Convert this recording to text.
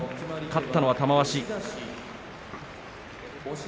勝ったのは玉鷲。